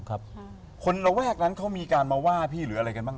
คนแหล่งว่างั้นเขามีเหตุภาระงานว่าพี่หรืออะไรบ้างมั้ย